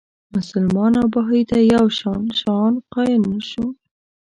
مسلمان او بهايي ته یو شان شأن قایل نه شو.